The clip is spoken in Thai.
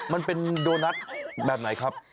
มันเป็นโดนัทแบบไหนครับ